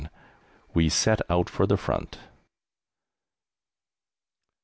WE SET OUT FOR THE FRONT.